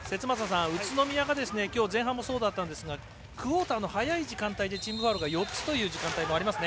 宇都宮がきょう前半もそうだったんですがクオーターの早い時間帯でチームファウルが４つという時間帯もありますね。